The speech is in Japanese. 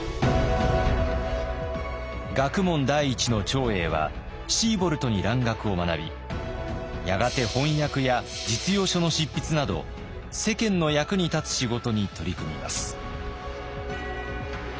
学問第一の長英はシーボルトに蘭学を学びやがて翻訳や実用書の執筆など世間の役に立つ仕事に取り組みます。